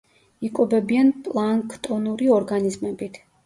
იკვებებიან პლანქტონური ორგანიზმებით.